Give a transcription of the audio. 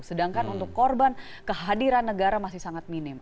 sedangkan untuk korban kehadiran negara masih sangat minim